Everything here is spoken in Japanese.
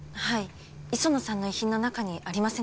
磯野さんの遺品の中にありませんでしたか？